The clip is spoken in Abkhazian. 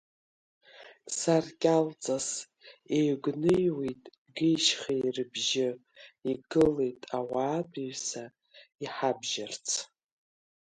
Саркьалҵас еигәныҩуеит геи-шьхеи рыбжьы, Игылеит ауаатәыҩса иҳабжьарц…